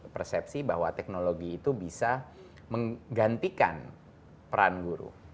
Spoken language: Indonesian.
persepsi bahwa teknologi itu bisa menggantikan peran guru